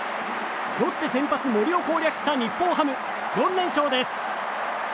ロッテ先発、森を攻略した日本ハム４連勝です。